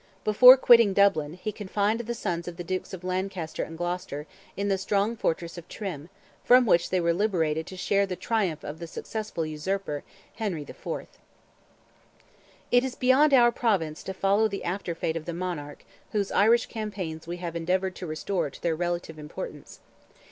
Before quitting Dublin, he confined the sons of the Dukes of Lancaster and Gloucester, in the strong fortress of Trim, from which they were liberated to share the triumph of the successful usurper, Henry IV. It is beyond our province to follow the after fate of the monarch, whose Irish campaigns we have endeavoured to restore to their relative importance.